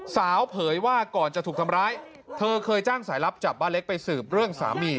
เผยว่าก่อนจะถูกทำร้ายเธอเคยจ้างสายลับจับป้าเล็กไปสืบเรื่องสามี